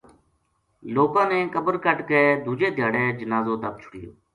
لوکاں نے قبر کڈھ کے دوجے دھیاڑے جنازو دَب چھُڑیو